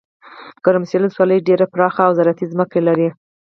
ګرمسیرولسوالۍ ډیره پراخه اوزراعتي ځمکي لري.